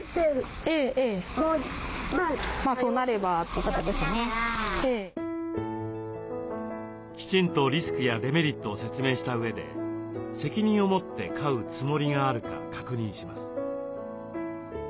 毎日のことですのできちんとリスクやデメリットを説明したうえで責任を持って飼うつもりがあるか確認します。